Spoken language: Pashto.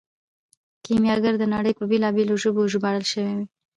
کیمیاګر د نړۍ په بیلابیلو ژبو ژباړل شوی دی.